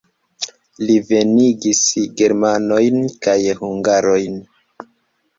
Li venigis germanojn kaj hungarojn.